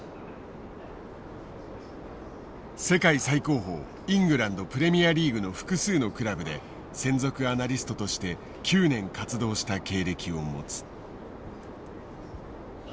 世界最高峰イングランドプレミアリーグの複数のクラブで専属アナリストとして９年活動した経歴を持つ。